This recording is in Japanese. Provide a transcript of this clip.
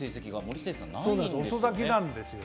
遅咲きなんです。